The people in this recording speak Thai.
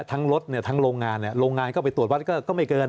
ทั้งรถทั้งโรงงานเนี่ยโรงงานก็ไปตรวจวัดก็ไม่เกิน